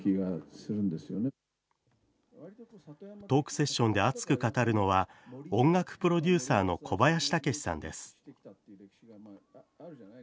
トークセッションで熱く語るのは、音楽プロデューサーの小林武史さんです。